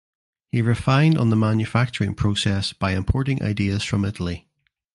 He refined on the manufacturing process by importing ideas from Italy.